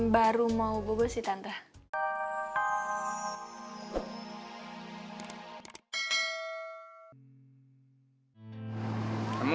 baru mau bobo sih tante